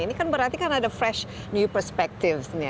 ini kan berarti ada fresh new perspective